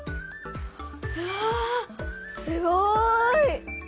うわすごい！